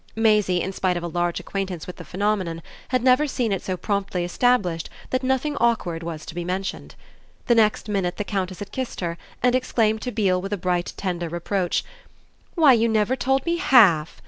Maisie, in spite of a large acquaintance with the phenomenon, had never seen it so promptly established that nothing awkward was to be mentioned. The next minute the Countess had kissed her and exclaimed to Beale with bright tender reproach: "Why, you never told me HALF!